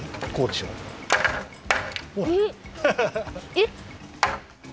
えっ！？